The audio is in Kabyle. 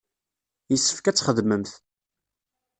Yessefk ad txedmemt.